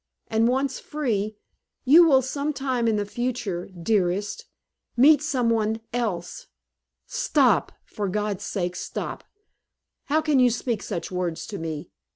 And once free, you will some time in the future, dearest, meet some one else " "Stop! For God's sake, stop! How can you speak such words to me?"